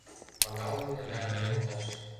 ПАГАЛЫМЕ РЕДАКТОР ЙОЛТАШ!